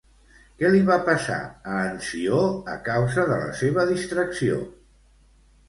Què li va passar a en Ció, a causa de la seva distracció?